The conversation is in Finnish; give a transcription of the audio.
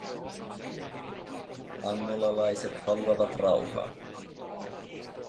Angolalaiset haluavat rauhaa.